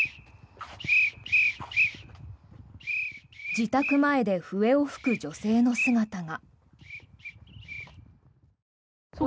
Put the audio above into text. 自宅前で笛を吹く女性の姿が。